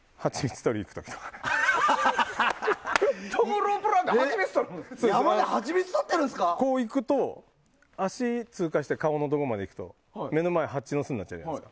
トム・ロープ・ランで足を通過して顔のところまで行くと、目の前がハチの巣になっちゃうじゃないですか。